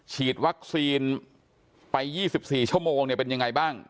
ฉีดวัคซีนไปยี่สิบสี่ชั่วโมงเนี้ยเป็นยังไงบ้าง